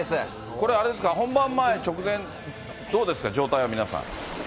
これ、あれですか、本番前直前、どうですか、状態は、皆さん。